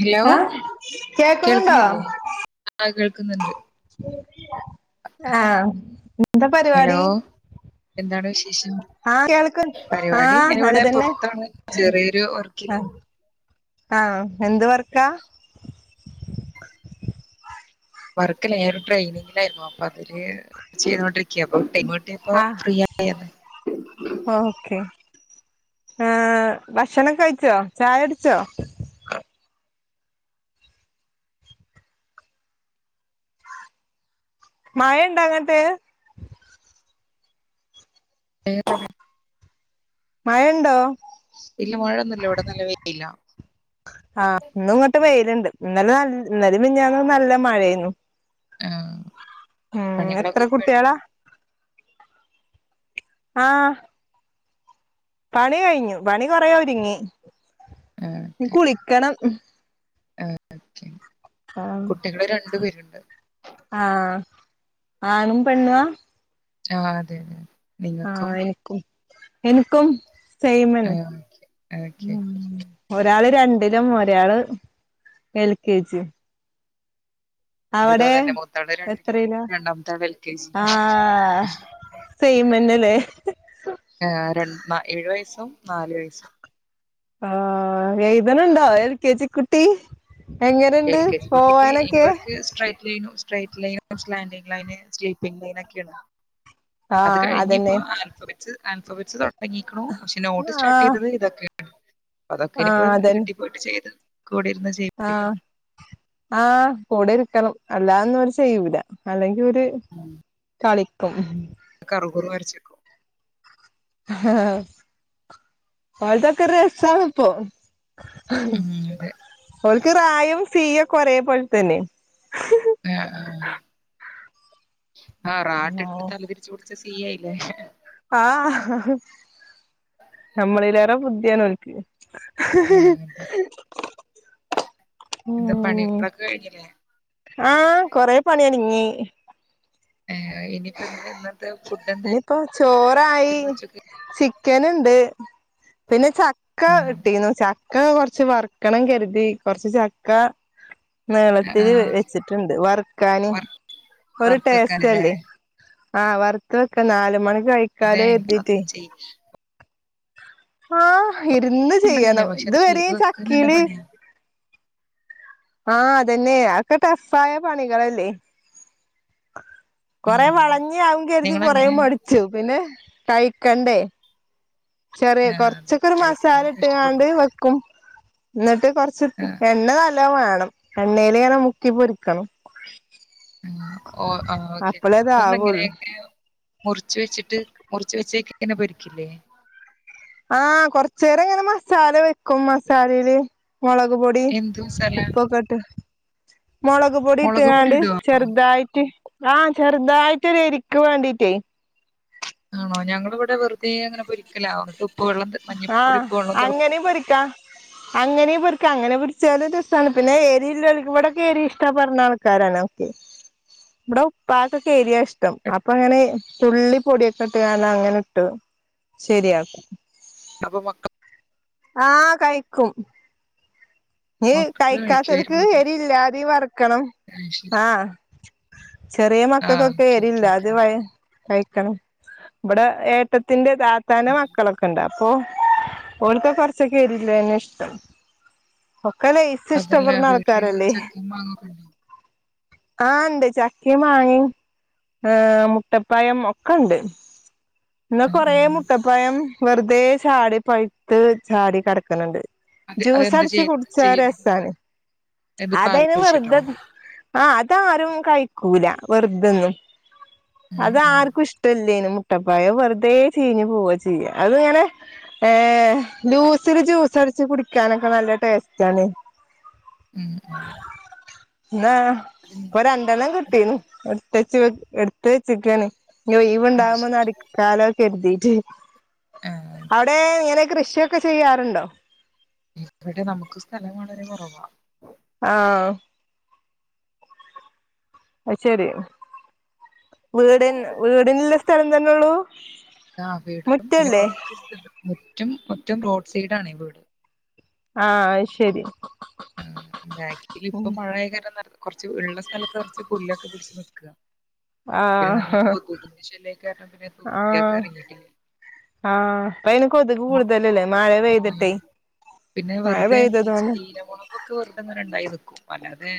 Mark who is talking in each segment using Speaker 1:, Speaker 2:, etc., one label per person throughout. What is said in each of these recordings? Speaker 1: Hello
Speaker 2: ആ കേക്ക്ണണ്ടോ?
Speaker 1: കേൾക്കുന്നില്ലേ ആ കേൾക്കുന്നുണ്ട്
Speaker 2: ആഹ എന്താ
Speaker 1: ഹലോ
Speaker 2: പരിപാടി?
Speaker 1: എന്താണ് വിശേഷം?
Speaker 2: ആഹ് കേൾക്ക
Speaker 1: പരിപാടി
Speaker 2: ആഹ്
Speaker 1: ഞാൻ ഇവിടെ
Speaker 2: നല്ലതന്നെ
Speaker 1: പുറത്തണാണ് ചെറിയൊരു വർക്കിലാ
Speaker 2: ആഹ എന്ത് വർക്കാ?
Speaker 1: വർക്കല്ല ഞാന് ട്രെനിങ്ങിലായിരുന്നു അപ്പൊ അതില് ചെയ്തോണ്ടിരിക്കയ അപ്പൊ ടൈമ ഇപ്പളാ
Speaker 2: ആഹ്
Speaker 1: ഫ്രീ ആയത്
Speaker 2: ഓക്കെ ആ ഭക്ഷണം കഴിച്ചോ ചായടിച്ചോ? മയ ണ്ടാ അങ്ങട്ട്?
Speaker 1: ഏ [unintelligible]
Speaker 2: മയണ്ടോ?
Speaker 1: ഇല്ല മയന്നുല്ലാ ഇവിടെ നല്ല വെയില്ലാ
Speaker 2: ആഹ് ഇന്നും ങ്ങിട്ട് വെയിലുണ്ട് ഇന്നല നല്ല ഇന്നലിം മിനിഞ്ഞാന്നും നല്ല മഴേന്നു
Speaker 1: ആഹ
Speaker 2: ഉം എത്ര
Speaker 1: പണികളൊക്കെ കഴിഞ്ഞോ?
Speaker 2: കുട്ടികളാ ആഹ് പണി കഴിഞ്ഞു പണി കൊറേ ഒരുങ്ങി ഇനി കുളിക്കണം
Speaker 1: ആഹ് ഓക്കെ
Speaker 2: ആഹ്
Speaker 1: കുട്ടികള് രണ്ടു പേരുണ്ട്
Speaker 2: ആഹ് ആണും പെണ്ണുവാ
Speaker 1: ആഹ് അതെന്നെ
Speaker 2: ആഹ് എനിക്കും എനിക്കും
Speaker 1: ആ,
Speaker 2: സെയിമന്നേ
Speaker 1: ഓക്കെ, ഓക്കെ.
Speaker 2: ഒരാള് രണ്ടിലും ഒരാള് എൽ കെ ജിയും
Speaker 1: എന്റേതോ
Speaker 2: അവിടെ
Speaker 1: തന്നെ മൂത്താള് രണ്ടിലും
Speaker 2: എത്രയിലാ
Speaker 1: രണ്ടാമത്തെ ആള് എൽ കെ ജി
Speaker 2: ആ സെയിമന്നല്ലേ
Speaker 1: ആഹ് ഏഴു വയസ്സും നാല് വയസ്സും
Speaker 2: ആഹ് എയ്തണുണ്ടോ എൽ കെ ജി കു ട്ടി എങ്ങനുണ്ട്
Speaker 1: എൽ കെ ജി കുട്ടി ഇപ്പൊ
Speaker 2: പോവാനൊക്കെ
Speaker 1: അവർക്ക് സ്ട്രൈറ്റ് ലൈനു സ്ട്രേറ്റ് ലൈനും സ്റ്റാൻഡിംഗ് ലൈന് സ്ലീപ്പിംഗ് ലൈന് ഒക്കെയിടാം അത്
Speaker 2: ആഹ്
Speaker 1: കഴിഞ്ഞ
Speaker 2: അതന്നെ
Speaker 1: ഇപ്പോ ആൽഫബെറ്റ്സ് ആൽഫോബെറ്റ്സ് തുടങ്ങയിക്കണു പക്ഷെ നോട്ട് സ്റ്റാർട്ട്
Speaker 2: ആഹ്
Speaker 1: ചെയ്തത് ഇതൊക്കെയാണ് അതൊക്കെ ഇനിയിപ്പോ
Speaker 2: ആഹ് അതന്നെ
Speaker 1: വീട്ടിൽ പോയിട്ട് ചെയ്ത് കൂടിരുന്ന്
Speaker 2: ആഹ്
Speaker 1: ചെയ്യിപ്പിക്കണം
Speaker 2: ആഹ് കൂടെ ഇരിക്കണം അല്ലാതൊന്നും ഇവര് ചെയ്യൂല അല്ലെങ്കി ഇവര്
Speaker 1: ഉം
Speaker 2: കളിക്കും
Speaker 1: കറുകുറു വരച്ചേക്കും
Speaker 2: ആഹ് ഓൽതൊക്കെ രസാണിപ്പോ
Speaker 1: ഉം, അതെ
Speaker 2: ഓൽക്ക് റായും സീയൊക്ക ഒരേ പോൽ തന്നെ
Speaker 1: ആഹ് ആഹ് ആഹ് റാക്കയിട്ട് തല തിരിച്ചു കൊടു ച്ച സി ആയില്ലേ
Speaker 2: ആഹ് നമ്മളിലേറെ ബുദ്ധിയാണോൽക്ക്
Speaker 1: ആഹ് അവിട്ത്തെ
Speaker 2: ഉം
Speaker 1: പണികളൊക്കെ കഴിഞ്ഞില്ലേ
Speaker 2: ആഹ് കൊറേ പണിയൊരുങ്ങി
Speaker 1: ആഹ് ഇനിയിപ്പൊന്താ ഇന്നത്തെ ചു
Speaker 2: ഇനിയിപ്പോ ചോറായി ചിക്കന്ണ്ട് പിന്നെ ചക്ക ഇട്ടീന്നു ച ക്ക കൊർച്ച് വർക്കണം കര്തി കൊറച്ച് ചക്ക നീളത്തില് വെച്ചിട്ട്ണ്ട് വർക്കാന് ഒരു
Speaker 1: വറുത്ത് വെക്കാനല്ലേ
Speaker 2: ടേസ്റ്റല്ലേ ആഹ് വറ്ത്ത് വെക്ക നാല്
Speaker 1: അതെ
Speaker 2: മണിക്കഴിക്കാലോ
Speaker 1: എനിക്ക് അത്
Speaker 2: കര്തീട്ടേ
Speaker 1: ചെയ്യാൻ
Speaker 2: ആഹ് ഇരുന്ന്
Speaker 1: പണിയില്ല
Speaker 2: ചെയ്യണം
Speaker 1: പക്ഷെ
Speaker 2: ഇത്
Speaker 1: അത് ചെയ്തു
Speaker 2: വരേം
Speaker 1: വെക്കാൻ നല്ല
Speaker 2: ചക്കേല്
Speaker 1: പണിയാ
Speaker 2: ആഹ് അതന്നെ അതൊക്കെ ടഫായ പണികളല്ലേ കൊറേ
Speaker 1: ഉം.
Speaker 2: വളഞ്ഞി ആകും കര്തി കൊറേ
Speaker 1: നിങ്ങളെങ്ങനെ
Speaker 2: മടിച്ചു പിന്നെ കഴിക്കണ്ടേ ചെറിയ
Speaker 1: ആ, അതെ
Speaker 2: കൊർച്ചക്കൊരു
Speaker 1: കഴിക്കണം
Speaker 2: മസാല ഇട്ട്ങ്ങാണ്ട്
Speaker 1: ഇഷ്ടപ്പെടണം
Speaker 2: വെക് ക്കും ഇന്നിട്ട് കൊറച്ച്
Speaker 1: ആ,
Speaker 2: എണ്ണ നല്ലോ വേണം എണ്ണേല് ഇങ്ങനെ മുക്കിപ്പൊരിക്കണം.
Speaker 1: ആഹ് ഓഹ് ആഹ് ഓക്കെ
Speaker 2: അപ്പളേ ഇതാവുള്ളൂ
Speaker 1: നിങ്ങളെങ്ങനെയൊക്കെ മുറിച്ച് വെച്ചിട്ട് മുർച്ച് വെച്ചേക്ക് ഇങ്ങനെ പൊരിക്കില്ലേ
Speaker 2: ആഹ് കൊർച്ചേരങ്ങനെ മസാല വെക്കും മസാലേല് മൊളക് പൊടി
Speaker 1: എന്ത് മസാല
Speaker 2: ഉപ്പൊക്കട്ട് മൊളക്പൊടി
Speaker 1: മുളക് പൊടി
Speaker 2: ഇട്ട്ങ്ങാണ്ട്
Speaker 1: ഇടുവോ
Speaker 2: ചെർതായിട്ട് ആഹ് ചെർതായിട്ടൊരു എരിക്ക്‌ വേണ്ടീട്ടേ
Speaker 1: ആണോ ഞങ്ങളിവിടെ വെറുതെ അങ്ങനെ പൊരിക്കല ന്നിട്ട് ഉപ്പ് വെള്ളത്ത് മഞ്ഞപ്പൊടി ഉപ്പ് വെള്ളം തെ
Speaker 2: [unintelligible] പൊരിക്കാൻ [inaudible] അങ്ങനീം പൊരിക്കാ അങ്ങനെ പൊരിച്ചാലും രസാണ് പിന്നെ എരില്ലോൽക്ക്‌ ഇവിടൊക്കെ എരി ഇഷ്ടപ്പെട്ണ ആൾക്കാരാണ് ഒക്കെ [inaudible] ഇവടെ ഉപ്പാക്കൊക്കെ എരിയാ ഇഷ്ടം അപ്പങ്ങനെ തുള്ളി പൊടിയൊക്കെ ഇട്ട്ങ്ങാണ്ട് അങ്ങനെ ഇട്ടത് ശരിയാക്കും.
Speaker 1: അപ്പൊ മക്ക
Speaker 2: ആഹ് കഴിക്കും. ഇനി
Speaker 1: മക്കള്
Speaker 2: കഴിക്കാത്തോൽക്ക്
Speaker 1: കഴിക്കുമായിരുന്നു
Speaker 2: എരില്ലാതിം വർക്കണം.
Speaker 1: ആ ശരി
Speaker 2: ആഹ് ചെറിയ
Speaker 1: ആ
Speaker 2: മക്കക്കൊക്കെ
Speaker 1: ഓക്കെ ഓക്കെ ഓക്കെ
Speaker 2: എരില്ലാതിം വയ കഴിക്കണം. ഇവിടെ ഏട്ടത്തിന്റെ താത്താന്റെ മക്കളൊക്കെണ്ടാവും. പ്പൊ ഓൽക്കൊക്കെ കൊർച്ചൊക്കെ എരില്ലതന്നെഷ്ടം. ഒക്കെ ലൈസ്
Speaker 1: അതല്ല
Speaker 2: ഇഷ്ടപ്പെട്ണ
Speaker 1: വീട്ടില്
Speaker 2: ആൾക്കാരല്ലേ?
Speaker 1: ചക്കയും മാങ്ങൊക്കെ ഉണ്ടോ
Speaker 2: ആഹ് ഇണ്ട് ചക്കീം മാങ്ങീ ആഹ് മുട്ടപ്പയം ഒക്കെണ്ട്. ഇന്ന്
Speaker 1: ആ,
Speaker 2: കൊറെ
Speaker 1: ആ.
Speaker 2: മുട്ടപ്പയം വെർതെ ചാടി പഴുത്ത് ചാടി കെടക്ക്‌ണ്ണ്ട്.
Speaker 1: അത്
Speaker 2: ജ്യൂസ്
Speaker 1: അതെന്താ
Speaker 2: അടിച്ച്
Speaker 1: ചെയ്യ
Speaker 2: കുടിച്ച
Speaker 1: ചെയ്യല്
Speaker 2: രസാണ്
Speaker 1: ഇത് പാൽ
Speaker 2: അതയ്ന്
Speaker 1: ഒഴിച്ചിട്ടോ
Speaker 2: വെർതെ ആഹ് അതാരും കഴിക്കൂല വെറുതെന്നും.
Speaker 1: ഉം, ഉം.
Speaker 2: അതാർക്കും ഇഷ്ടല്ലേനും മുട്ടപ്പയം. അത് വെർതെ ചീഞ്ഞ് പോവാ ചെയ്യ. അത്ങ്ങനെ ഏഹ് ലൂസില് ജ്യൂസ് അടിച്ച് കുടിക്കാനൊക്കെ നല്ല ടേസ്റ്റാണ്.
Speaker 1: ഉം.
Speaker 2: ന്നാഹ്
Speaker 1: അത് മീ
Speaker 2: രണ്ടെണ്ണം കിട്ടീന്നു. ഇട്ത്തേച്ച് ഇട്ടുത്തേച്ക്കാണ് ഇനി
Speaker 1: അത്
Speaker 2: ഒയ്വ്ണ്ടാാവുമ്പോന്നടി
Speaker 1: ശരി
Speaker 2: ക്കാലോകര്തീട്ടെ.
Speaker 1: ആഹ്
Speaker 2: അവ്ടെ ഇങ്ങനെ കൃഷിയൊക്കെ ചെയ്യാറുണ്ടോ?
Speaker 1: ഇവിടെ നമുക്ക് സ്ഥലം വളരെ കൊറവാ.
Speaker 2: ആഹ്. അയ്ശരി. ഉം, വീട്ന് വീട്ന്ല്ല സ്ഥലം തന്നൊള്ളൂ?
Speaker 1: ആഹ് വീടിനും പിന്നെ കൊറച്ച് സ്ഥലോം. മുറ്റം മുറ്റം റോഡ് സൈഡാണേ വീട്.
Speaker 2: ആഹ് അയ്ശരി.
Speaker 1: ആഹ് ബാക്കിൽ ഇപ്പ മഴയായ കാരണം കുറച്ച് ഉള്ള സ്ഥലത്ത് കുറച്ച് പുല്ലൊക്കെ പിടിച്ച് നിക്കുവാ പിന്നെ നല്ല
Speaker 2: ആഹ്
Speaker 1: കൊതുകിന്റെ ശല്യ കാരണം പിന്നെ അത് വൃത്തിയാക്കാൻ
Speaker 2: ആഹ്
Speaker 1: ഇറങ്ങിയിട്ടില്ല
Speaker 2: ആഹ് ഇപ്പയിന് കൊതുക് കൂടുതലല്ലേ മഴ
Speaker 1: ആഹ്
Speaker 2: പെയ്തിട്ടേ
Speaker 1: പിന്നെ
Speaker 2: മഴ
Speaker 1: വെറുതെ മറ്റേ
Speaker 2: പെയ്തതോണ്ട്
Speaker 1: ചീലമുളകൊക്കെ വെറുതെ അങ്ങനെ ഇണ്ടായി നിക്കും അല്ലാതെ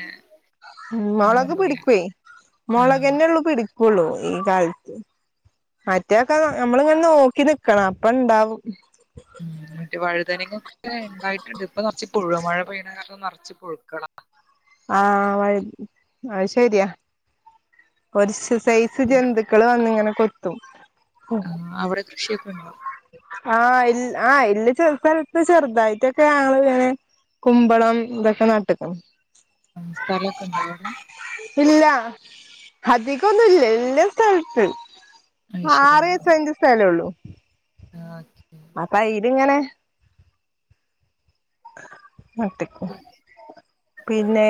Speaker 2: ഉം
Speaker 1: അങ്ങനെ
Speaker 2: മുളക്
Speaker 1: ഒന്നുമില്ല
Speaker 2: പിടിക്കുവേ
Speaker 1: ആഹ്
Speaker 2: മുളകന്നെ ഉള്ളൂ പിടിക്കുള്ളു ഈ കാലത്ത് മാറ്റെക്കെ നമ്മൾ ഇങ്ങനെ നോക്കി നിക്കണം അപ്പ ഇണ്ടാവും
Speaker 1: ഉം മറ്റേ വഴുതനങ്ങ ഒക്കെ ഇണ്ടായിട്ടുണ്ട് ഇപ്പൊ നർച്ചിപ്പുഴുവാ മഴ പെയ്യണ കാരണം നർച്ച് പുഴു
Speaker 2: ആഹ് വൈ അത്ശരിയാ ഒരു സൈസ്
Speaker 1: നിങ്ങൾ
Speaker 2: ജന്തുക്കൾ വന്നിങ്ങനെ കൊത്തും
Speaker 1: ആഹ് അവിടെ കൃഷിയൊക്കെ ഇണ്ടോ
Speaker 2: ആഹ് ഇൽ ആഹ് ഇല്ലെ ചെല സ്ഥലത്ത് ചെറുതായിട്ടൊക്കെ ആള് ഇങ്ങനെ കുമ്പളം ഇതൊക്കെ നാട്ട്ക്ക്‌ണ്
Speaker 1: സ്ഥലവൊക്കെ ഉണ്ടോ അവിടെ
Speaker 2: ഇല്ല അധികൊന്നുല്ല ഇല്ല സ്ഥലത്ത്
Speaker 1: അയ്ശെരി
Speaker 2: ആറേഴ്
Speaker 1: ആഹ്
Speaker 2: സെന്റ്
Speaker 1: ആഹ് ക്കി
Speaker 2: അപ്പ ഇതിങ്ങനെ നട്ട് പിന്നേ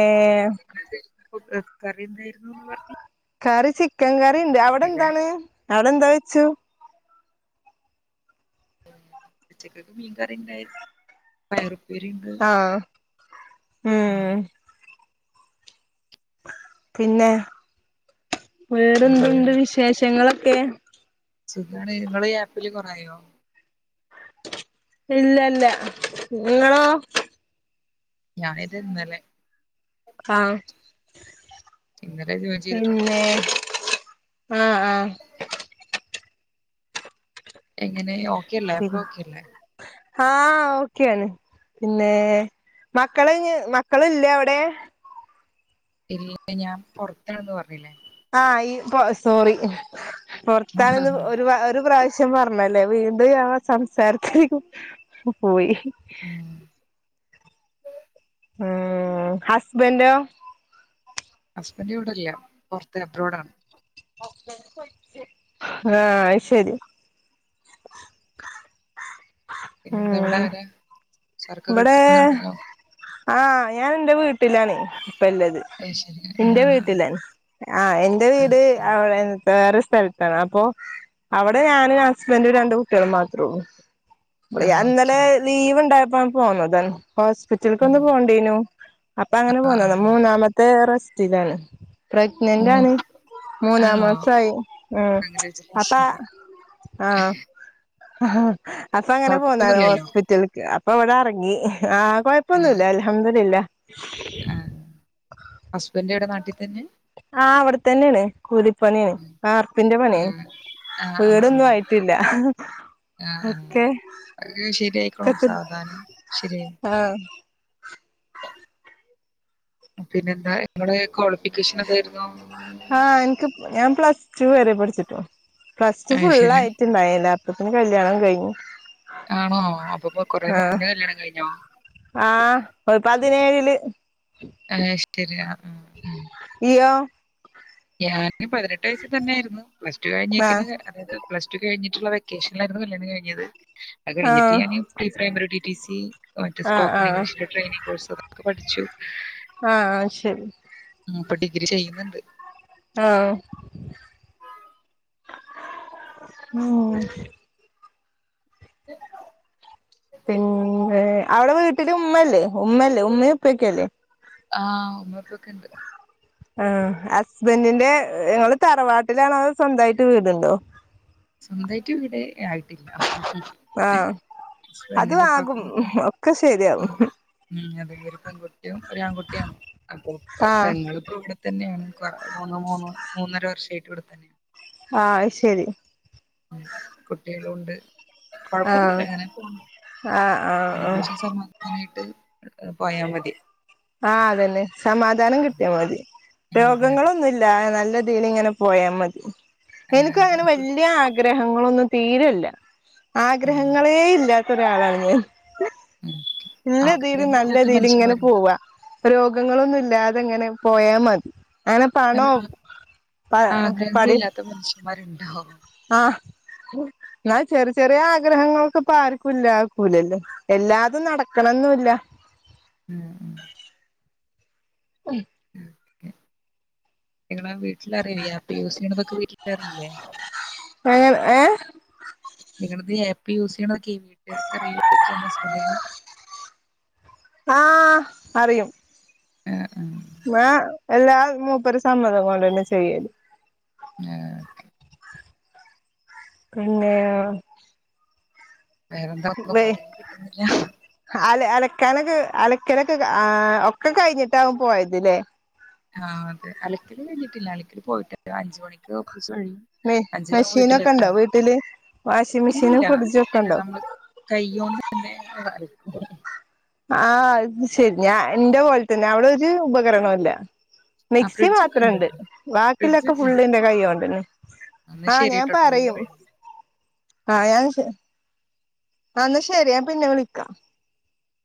Speaker 1: ഇന്ന് എന്തേനും ഫുഡ് കറി എന്തായിരുന്നൂന്ന് പറഞ്ഞെ
Speaker 2: കറി ചിക്കൻ കറി ഉണ്ട് അവിടെ എന്താണ് അവിടെ എന്താ വെച്ചു
Speaker 1: ഉച്ചക്കേക്ക് മീൻകറിണ്ടായി പയറുപ്പേരി ഉണ്ട്
Speaker 2: ആഹ് ഉം പിന്നെ വേറെന്തുണ്ട്
Speaker 1: വേറെന്താണ്?
Speaker 2: വിശേഷങ്ങളൊക്കെ
Speaker 1: സുഖാണ് നിങ്ങൾ ഈ ആപ്പില് കുറേ ആയോ
Speaker 2: ഇല്ലല്ല നിങ്ങളോ.
Speaker 1: ഞാൻ ഇത് ഇന്നലെ.
Speaker 2: ആഹ്
Speaker 1: ഇന്നലെ ജോയിൻ ചെയ്തിട്ടുള്ളൂ.
Speaker 2: പിന്നെ ആഹ് ആഹ്
Speaker 1: എങ്ങനെ ഓക്കെയല്ലേ അപ്പ്
Speaker 2: പിന്നെ
Speaker 1: ഓക്കെ അല്ലേ?
Speaker 2: ആഹ് ഓക്കെയാണ്. പിന്നെ മക്കളിഞ്ഞ് മക്കളില്ലേ അവടെ.
Speaker 1: ഇല്ല ഞാൻ പുറത്തന്ന് പറഞ്ഞില്ലേ?
Speaker 2: ആഹ് ഈ സോറി പുറത്തന്ന് ഒരു ഒരു പ്രാവ ശ്യാം പറഞ്ഞല്ലേ വീണ്ടും ഞാൻ സംസാരത്തിലേക്ക് പോയി.
Speaker 1: ഉം.
Speaker 2: ഉം ഹസ്ബൻന്റോ.
Speaker 1: ഹസ്ബൻഡ് ഇവടൊല്ല പുറത്ത് അബ്രോഡ് ആണ്.
Speaker 2: ആഹ് അയ്ശരി.
Speaker 1: പിന്നെന്താ അവിടെ
Speaker 2: ഉം
Speaker 1: ആരാ. ശർക്ക
Speaker 2: ഇവിടെ
Speaker 1: കേൾക്കുന്നുണ്ടല്ലോ.
Speaker 2: ആഹ് ഞാൻ എന്റെ വീട്ടിലാണ്. ഇപ്പോല്ലത്.
Speaker 1: അത് ശരി. ആ.
Speaker 2: എന്റെ വീട്ടിലാണ്. ആഹ് എന്റെ വീട്
Speaker 1: ഓക്കെ.
Speaker 2: അവിടെ വേറെ ഒരു സ്ഥല ത്താണ് അപ്പൊ അവിടെ ഞാനും ഹസ്ബൻഡും രണ്ട് കുട്ടികളും മാത്രള്ളൂ. ഇവിടെ
Speaker 1: ആ
Speaker 2: ഞാൻ
Speaker 1: ഓക്കെ.
Speaker 2: ഇന്നലെ ലീവ് ഉണ്ടായപ്പോ പോന്നതാ. ഹോസ്പി
Speaker 1: ആ.
Speaker 2: റ്റിലക്കൊന്നു പോണ്ടീനു. അപ്പൊ അങ്ങനെ
Speaker 1: ആ.
Speaker 2: പോന്നത മൂന്നാമത്തെ റെസ്റ്റിലാണ്. പ്രെഗ്നന്റ്
Speaker 1: മൂന്ന്
Speaker 2: ആണ് മൂന്നാ
Speaker 1: ആണോ?
Speaker 2: മാസായി. ഉം അപ്പ
Speaker 1: കൺഗ്രാജുലേഷൻ
Speaker 2: ആഹ് അപ്പൊ അങ്ങനെ പോന്നാത
Speaker 1: കുഴപ്പമൊന്നുമില്ലല്ലോ
Speaker 2: ഹോസ്പിറ്റലേക്ക്. അപ്പൊ ഇവിടെ ഇറങ്ങി ആഹ് കൊ ഴപ്പൊന്നുവില്ല അൽഹംദുലില്ലാഹ്.
Speaker 1: ഹസ്ബൻഡ് എവിടെ നാട്ടിൽ തന്നെ.
Speaker 2: ആഹ് ഇവിടെ തന്നെണ്. കൂലിപണിണ് വാർപ്പിന്റെ
Speaker 1: ആ,
Speaker 2: പണിയാണ് വീടൊന്നും ആയിട്ടില്ല.
Speaker 1: ആഹ്
Speaker 2: ഒക്കെ
Speaker 1: അത് ശെര്യായ്ക്കോളും സാവധാദനം. ശെര്യായി
Speaker 2: ആഹ് [inaudible]
Speaker 1: പിന്നെ എന്താ ഇങ്ങള് ക്വാളിഫിക്കേഷൻ എന്തായിരുന്നു.
Speaker 2: ആഹ് എൻക്ക് ഞാൻ പ്ലസ് റ്റു വെരെ പഠിച്ച്ട്ടൊള്ളു. പ്ലസ് റ്റു
Speaker 1: ശരി
Speaker 2: ഫുള്ളായി റ്റ്ണ്ടായ്ല്ല അപ്പത്തിന് കല്യാണം കയിഞ്ഞു.
Speaker 1: ആണോ അപ്പപ്പോകൊറേ മുന്നെ കല്യാണം കൈഞ്ഞോ.
Speaker 2: ആഹ് പ പതിനേഴില്
Speaker 1: അങ്ങനെ ഇഷ്ടം ഇല്ലാന്ന് പറഞ്ഞു.
Speaker 2: ഇയ്യോ.
Speaker 1: ഞാന് പതിനെട്ട് വയസ്സ് തന്നായിര്ന്നു പ്ലസ് ടു
Speaker 2: ആ
Speaker 1: കൈഞ്ഞേക്കെന്നേ. അതായത് പ്ലസ് ടു കൈഞ്ഞ്ട്ട്ള്ള വെക്കേഷനിലാര്ന്നു. കല്യാണം കൈഞ്ഞത്. അത്
Speaker 2: ആ
Speaker 1: കൈഞ്ഞ്ട്ട് ഞാന്. ഈ pre primary D T C. മറ്റ്
Speaker 2: ആ ആ
Speaker 1: സ്പോക്കൺ ഇംഗ്ലീഷന്റെ ട്രെയിനിങ് കോഴ്സൊക്കെ പഠിച്ചു.
Speaker 2: ആഹ് ശെരി.
Speaker 1: ഉം പ്പോ ഡിഗ്രി ചെയ്യ്ന്ന്ണ്ട്.
Speaker 2: ആഹ് ഉം
Speaker 1: [inaudible]
Speaker 2: പിന്നെ അവടെ വീട്ട്ല് ഉമ്മല്ലേ ഉമ്മല്ലേ ഉമ്മിം ഉപ്പിംക്കെല്ലേ?
Speaker 1: ആഹ് ഉമ്മിഇപ്പിക്കെണ്ട്.
Speaker 2: ആഹ് ഹസ്ബൻന്റിന്റെ ങ്ങള് തറവാട്ട്ലാണോ അതോ സ്വന്തയ്ട്ട് വീട്ണ്ടോ?
Speaker 1: സ്വന്തായ്ട്ട് വീട് ആയ്ട്ടില്ല.
Speaker 2: ആഹ് അതും ആകും
Speaker 1: ഉമ്മക്കും
Speaker 2: ഒക്കെ ശെര്യാകും.
Speaker 1: ഉം ഉം അതെ ഒര് പെങ്കുട്ടിയും ഒര് ആങ്കുട്ട്യാണ്. അപ്പൊ
Speaker 2: ആഹ്
Speaker 1: പെങ്ങൾക്കുംട്. തന്നേണ് കൊറേ മൂന്ന് മൂന്ന് മൂന്നര വർഷായ്ട്ട് ഇവടെ തന്നേണ്.
Speaker 2: ആഹ് അത് ശെരി.
Speaker 1: കുട്ട്യാളൂണ്ട്. കൊഴപ്പൊന്നുല്ല
Speaker 2: ആഹ്
Speaker 1: ങ്ങനെ പോണു
Speaker 2: ആഹ് ആഹ് ആഹ്
Speaker 1: [unintelligible] സമാ അങ്ങനായിട്ട് പോയാ മതി.
Speaker 2: ആഹ് അതന്നെ, സമാധാനം ക്ട്ട്യാ മതി
Speaker 1: ഉം, അതെ അതെ
Speaker 2: രോഗങ്ങളൊന്നുല്ലാതെ നല്ല തീല് ങ്ങനെ പോയാ മതി
Speaker 1: ആഹ് അതെ
Speaker 2: എനിക്കങ്ങനെ വല്ല്യേ ആഗ്രഹങ്ങളൊന്നും തീരല്ല.
Speaker 1: ഉം
Speaker 2: ആഗ്രഹങ്ങളേ ഇല്ലാത്തൊ രാളാണ് ഞാൻ.
Speaker 1: ഉം
Speaker 2: ഇല്ല തീല് നല്ല
Speaker 1: ആഗ്രഹങ്ങളില്ലാത്ത
Speaker 2: തീല് ങ്ങനെ
Speaker 1: മനുഷ്യന്മാരുണ്ടോ
Speaker 2: പോവാ. രോഗങ്ങളൊന്നു ല്ലാതെ ങ്ങനെ പോയാ മതി. അങ്ങനെ
Speaker 1: അല്ല
Speaker 2: പണോം
Speaker 1: ആ-
Speaker 2: പ പടി
Speaker 1: ആഗ്രഹങ്ങളില്ലാത്ത മനുഷ്യന്മാരുണ്ടോ
Speaker 2: ആഹ്. ന്നാൽ ചെറ് ചെറ്യേ ആഗ്രഹങ്ങളൊക്കെ പ്പാര്ക്കും ഇല്ലാക്കൂലല്ലോ എല്ലാതും നട ക്കണം ന്നൂല്ല.
Speaker 1: ഉം
Speaker 2: [inaudible]
Speaker 1: ഉം ഉം ങ്ങളെ വീട്ട്ലാരൂല്ലേ ആപ്പ് യൂസീയ്യ്ണതൊക്കെ വീട്ട്ലറീലേ?
Speaker 2: അങ്ങ ഏഹ്.
Speaker 1: നിങ്ങളത് ആപ്പ് യൂസ് യ്യണൊക്കെ വീട്ടാർക്ക് അറിയോയ്ക്കാ ഹസ്ബൻഡിന്.
Speaker 2: ആഹ് അറിയും.
Speaker 1: ആഹ് ആ.
Speaker 2: ഞാ എല്ലാ മൂപ്പരെ സമ്മതം കൊണ്ടെന്നെ ചെയ്യല്.
Speaker 1: ന്നാ ഓക്കെ.
Speaker 2: പിന്നെ?
Speaker 1: വേറെന്താ ഒന്നും
Speaker 2: വെ
Speaker 1: പറയാം കിട്ടുന്നില്ല.
Speaker 2: അല അലക്കാനൊക്കെ അലക്കലൊക്കെ ആഹ് ഒക്കെ കൈഞ്ഞ്ട്ടാവും പോയത് ലേ.
Speaker 1: ആഹ് അതെ, അലക്കല് കഴിഞ്ഞിട്ടില്ല അലക്കല് പോയിട്ടു അഞ്ച് മണിക്ക് ഓഫീസ് കഴിയും.
Speaker 2: മെ
Speaker 1: അഞ്ചരാവും
Speaker 2: മെഷീനൊക്കെ ഉണ്ടോ
Speaker 1: വീട്ടിലേത്താൻ
Speaker 2: വീട്ടില് വാഷിംഗ് മെഷീനും
Speaker 1: ഇല്ലില്ല
Speaker 2: ഫ്രിഡ്ജും ഒക്കെ ഉണ്ടോ
Speaker 1: നമ്മ കൈയോണ്ട്ന്നെ അത് അലക്കും.
Speaker 2: ആഹ് അത് ശെരി ഞാൻ ന്റെ പോൽ തന്നെ അവടെ ഒരു ഉപകരണോല്ല.
Speaker 1: ആ
Speaker 2: മിക്സി
Speaker 1: ഫ്രിഡ്ജൊക്കെ
Speaker 2: മാത്രംണ്ട്
Speaker 1: ഇണ്ട്ട്ടോ
Speaker 2: ബാക്കി ള്ളേക്കെ
Speaker 1: ഫ്രിഡ്ജൊക്കെ ഇണ്ട്.
Speaker 2: ഫുള്ള് ന്റെ കയ്യോണ്ടന്നെ.
Speaker 1: എന്നാ
Speaker 2: ആഹ് ഞാൻ
Speaker 1: ശരിട്ടോ ടൈമ്
Speaker 2: പറയും.
Speaker 1: കഴിഞ്ഞു.
Speaker 2: ആഹ് ഞാൻ ശെ ആഹ് ന്നാ ശെരി ഞാൻ പിന്നെ വിളിക്കാം.